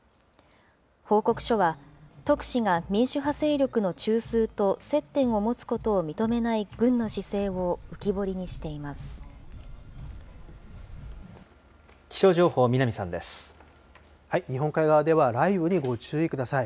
報告書は、特使が民主派勢力の中枢と接点を持つことを認めない軍の姿勢を浮気象情報、日本海側では雷雨にご注意ください。